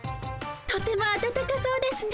とてもあたたかそうですね。